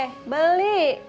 mau uy beliin